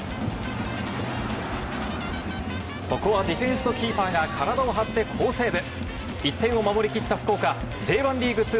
ここはディフェンスとキーパーが体を張って好セーブ。